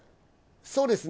そうですね。